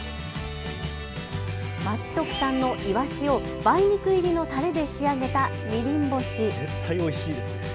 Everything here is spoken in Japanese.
町特産のイワシを梅肉入りのたれで仕上げたみりん干し。